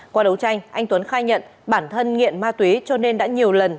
qua đấu tranh anh tuấn khai nhận bản thân nghiện ma túy cho nên đã nhiều lần